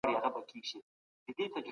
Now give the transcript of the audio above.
د باور رامنځته کول د پرمختګ لپاره مهم دي.